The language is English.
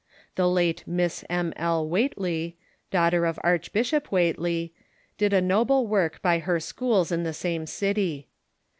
The late Miss M. L. Whately, daughter of Archbishop Whately, did a noble work by her schools in the same city.